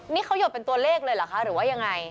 นี่เขาหยดเป็นตัวเลขเลยหรือยังไง